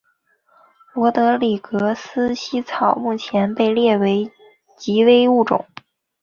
罗德里格斯茜草目前被列为极危物种。